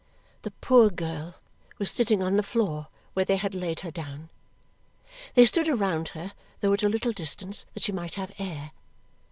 The poor girl was sitting on the floor where they had laid her down. They stood around her, though at a little distance, that she might have air.